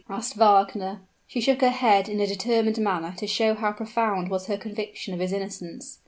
asked Wagner. She shook her head in a determined manner, to show how profound was her conviction of his innocence.